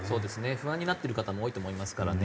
不安になってる方も多いと思いますからね。